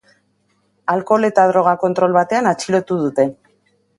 Alkohol eta droga kontrol batean atxilotu dute.